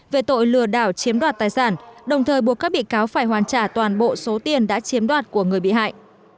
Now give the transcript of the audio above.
về tội lừa đảo chiếm đoạt tài sản đồng thời buộc các bị cáo phải hoàn trả toàn bộ số tiền đã chiếm đoạt của người bị hại